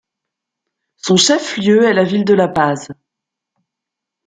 Son chef-lieu est la ville de La Paz.